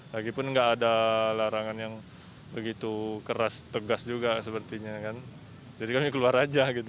lagipun tidak ada larangan yang begitu keras tegas juga sepertinya jadi kami keluar saja